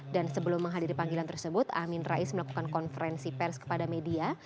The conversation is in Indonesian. dan sebelum menghadiri panggilan tersebut amin rais melakukan konferensi pers kepada media